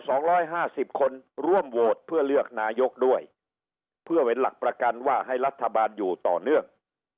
สองร้อยห้าสิบคนร่วมโหวตเพื่อเลือกนายกด้วยเพื่อเป็นหลักประกันว่าให้รัฐบาลอยู่ต่อเนื่อง